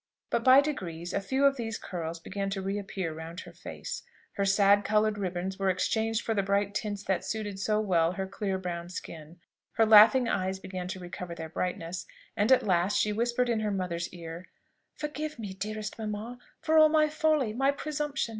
But by degrees, a few of these curls began to reappear round her face; her sad coloured ribbons were exchanged for the bright tints that suited so well with her clear brown skin: her laughing eyes began to recover their brightness, and at last she whispered in her mother's ear, "Forgive me, dearest mamma, for all my folly, my presumption.